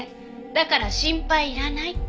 だから心配いらないって。